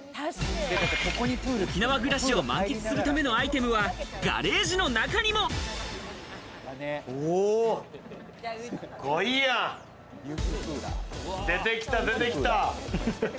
沖縄暮らしを満喫するためのアイテムは、ガレージの中にも！出てきた、出てきた！